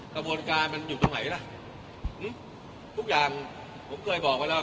กระโบนการมันอยู่ตรงไหนแหละหึ้มทุกอย่างผมเคยบอกไปแล้วการ